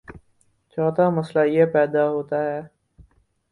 چوتھا مسئلہ یہ پیدا ہوتا ہے